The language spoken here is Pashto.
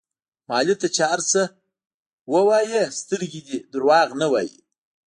مالې ته چې هر څه ووايې سترګې دې دروغ نه وايي.